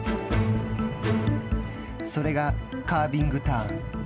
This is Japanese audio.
それがカービングターン。